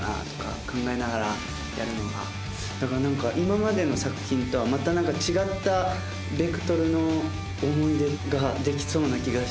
だから何か今までの作品とはまた違ったベクトルの思い出ができそうな気がしてて。